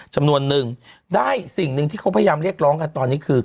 จำนวนนึงได้สิ่งหนึ่งที่เขาพยายามเรียกร้องกันตอนนี้คือ